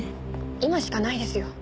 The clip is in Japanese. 今しかないですよ。